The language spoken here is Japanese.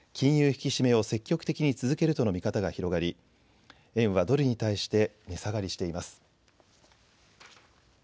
引き締めを積極的に続けるとの見方が広がり円はドルに対して値下がりしています。